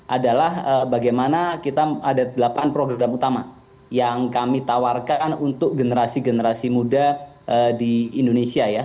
adalah bagaimana kita ada delapan program utama yang kami tawarkan untuk generasi generasi muda di indonesia ya